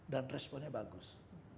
dan responnya bagus